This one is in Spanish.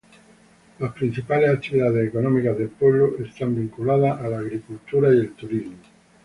Las principales actividades económicas del pueblo están vinculadas a la agricultura y el turismo.